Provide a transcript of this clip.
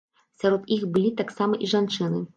Сярод іх былі таксама і жанчыны.